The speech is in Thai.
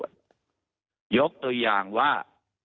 ยกตัวอย่างว่า